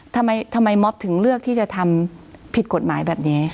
ทำไมม็อบถึงเลือกที่จะทำผิดกฎหมายแบบนี้